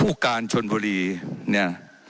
ว่าการกระทรวงบาทไทยนะครับ